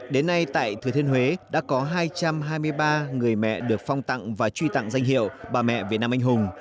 đến nay tại thừa thiên huế đã có hai trăm hai mươi ba người mẹ được phong tặng và truy tặng danh hiệu bà mẹ việt nam anh hùng